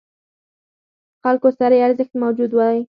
خلکو سره یې ارزښت موجود دی.